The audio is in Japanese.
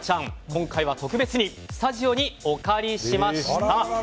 今回は特別にスタジオにお借りしました。